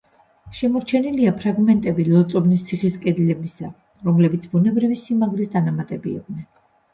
შემორჩენილია ფრაგმენტები ლოწობნის ციხის კედლებისა, რომლებიც ბუნებრივი სიმაგრის დანამატები იყვნენ.